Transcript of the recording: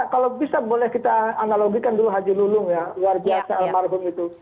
kalau bisa boleh kita analogikan dulu haji lulung ya luar biasa almarhum itu